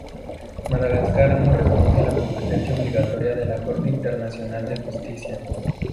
Madagascar no reconoce la competencia obligatoria de la Corte Internacional de Justicia.